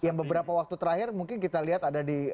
yang beberapa waktu terakhir mungkin kita lihat ada di